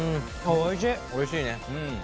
おいしいね。